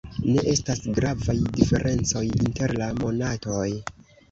Ne estas gravaj diferencoj inter la monatoj.